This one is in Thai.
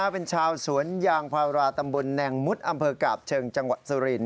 เป็นชาวสวนยางพาราตำบลแนงมุดอำเภอกาบเชิงจังหวัดสุรินท